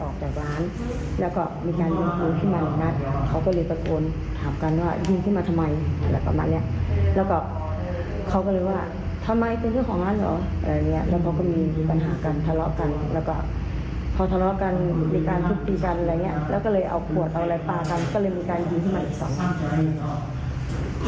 ก็เลยเอาขวดเอาอะไรปลากันก็เลยมีการยิงขึ้นมาอีก๒นัด